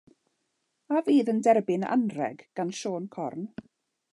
A fydd yn derbyn anrheg gan Siôn Corn?